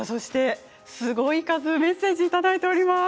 すごい数メッセージをいただいています。